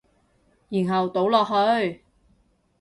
然後倒落去